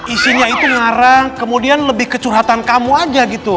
isinya itu ngarah kemudian lebih ke curhatan kamu aja gitu